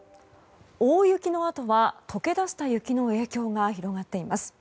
大雪のあとは解けだした雪の影響が広がっています。